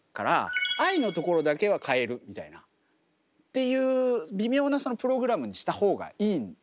「Ｉ」のところだけは変えるみたいなっていう微妙なプログラムにした方がいいんですよ。